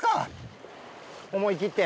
思い切って。